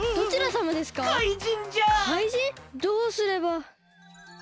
どうすれば。